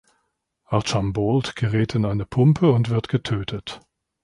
Archambault gerät in eine Pumpe und wird getötet.